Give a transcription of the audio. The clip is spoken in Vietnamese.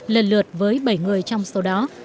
lần lượt với bảy người trong số đó